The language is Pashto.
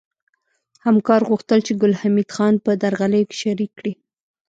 همکار غوښتل چې ګل حمید خان په درغلیو کې شریک کړي